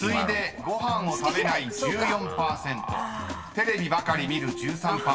［テレビばかり見る１３％］